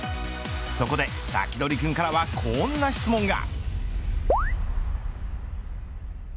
そこで、サキドリくんからはこんな質問が。